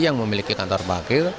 yang memiliki kantor parkir